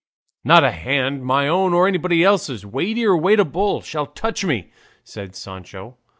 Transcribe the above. "Not a hand, my own or anybody else's, weighty or weighable, shall touch me," said Sancho.